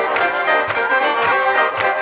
สวัสดีครับ